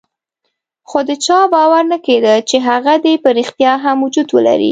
خو د چا باور نه کېده چې هغه دې په ريښتیا هم وجود ولري.